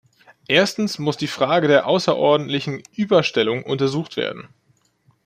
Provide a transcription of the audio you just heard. Erstens muss die Frage der außerordentlichen Überstellungen untersucht werden.